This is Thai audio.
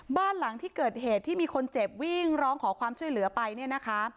บ้านหลังที่เกิดเหตุที่มีคนเจ็บวิ่งร้องขอความช่วยเหลือไปเนี่ยนะคะ